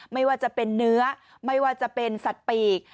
ไม่ว่าจะเป็นเนื้อไม่ว่าจะเป็นสัตว์ปีก